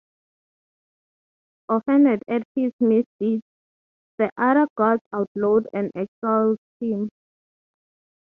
Offended at his misdeeds, the other gods outlawed and exiled him.